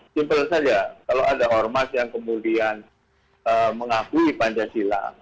simpel saja kalau ada ormas yang kemudian mengakui pancasila